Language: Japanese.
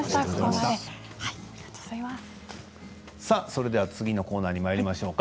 それでは次のコーナーにまいりましょう。